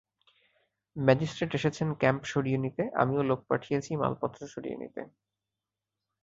Magistrate এসেছেন camp সরিয়ে নিতে, আমিও লোক পাঠিয়েছি মালপত্র সরিয়ে নিতে।